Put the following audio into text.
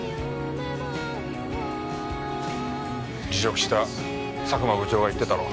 辞職した佐久間部長が言ってたろう。